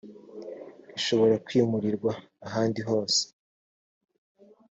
gishobora kwimurirwa ahandi hose